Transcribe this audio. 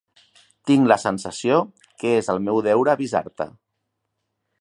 Tinc la sensació que és el meu deure avisar-te.